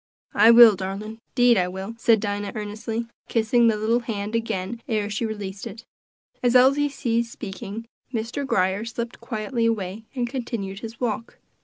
"I will, darlin', 'deed I will," said Dinah earnestly, kissing the little hand again ere she released it. As Elsie ceased speaking, Mr. Grier slipped quietly away, and continued his walk.